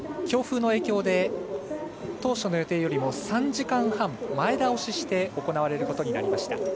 強風の影響で当初の予定よりも３時間半前倒しして行われることになりました。